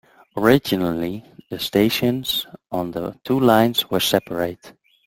Originally, the stations on the two lines were separate.